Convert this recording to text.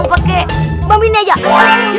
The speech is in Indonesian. ampun pake mwongin lagi aja